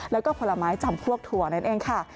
แล้วก็ผลไม้จำพวกถั่วนั่นเองค่ะ